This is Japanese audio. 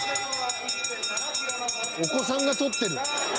お子さんが取ってる。